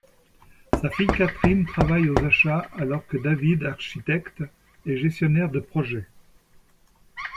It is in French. Sa fille Katherine travaille aux achats, alors que David, architecte, est gestionnaire de projets.